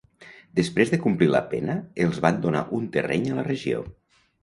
Després de complir la pena, els van donar un terreny a la regió.